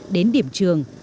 đến điểm trường